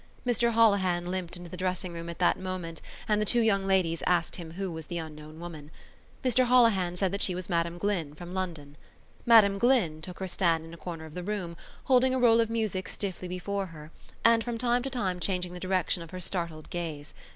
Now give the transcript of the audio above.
Mr Holohan limped into the dressing room at that moment and the two young ladies asked him who was the unknown woman. Mr Holohan said that she was Madam Glynn from London. Madam Glynn took her stand in a corner of the room, holding a roll of music stiffly before her and from time to time changing the direction of her startled gaze.